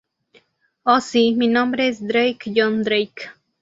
Oh sí, mi nombre es Drake, John Drake.